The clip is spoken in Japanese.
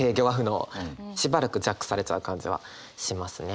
しばらくジャックされちゃう感じはしますね。